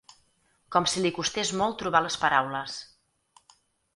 Com si li costés molt trobar les paraules.